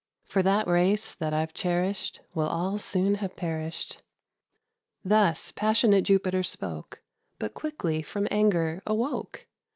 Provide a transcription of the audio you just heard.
For that race that I've cherished Will all soon have perished!" Thus passionate Jupiter spoke, But quickly from anger awoke.